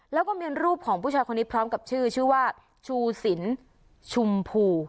แล้วก็มีรูปของผู้ชายคนนี้พร้อมกับชื่อชื่อว่าชูสินชมพู